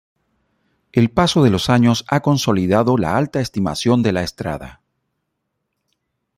El paso de los años ha consolidado la alta estimación de La Strada.